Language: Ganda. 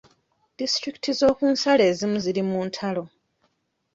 Disitulikiti z'okunsalo ezimu ziri mu ntalo.